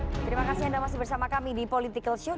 terima kasih anda masih bersama kami di political show